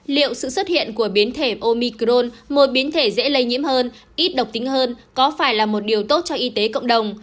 liệu sự xuất hiện của biến thể omicrone một biến thể dễ lây nhiễm hơn ít độc tính hơn có phải là một điều tốt cho y tế cộng đồng